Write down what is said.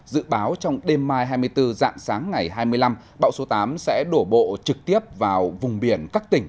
dự báo trong đêm mai hai mươi bốn dạng sáng ngày hai mươi năm bão số tám sẽ đổ bộ trực tiếp vào vùng biển các tỉnh